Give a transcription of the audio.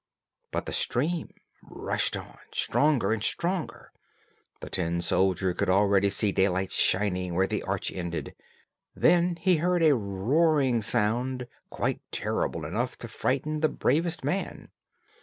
But the stream rushed on stronger and stronger. The tin soldier could already see daylight shining where the arch ended. Then he heard a roaring sound quite terrible enough to frighten the bravest man.